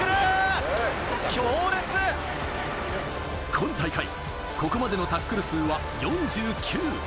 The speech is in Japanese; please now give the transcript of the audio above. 今大会、ここまでのタックル数は４９。